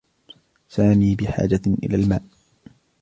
سامي بحاجة إلى الماء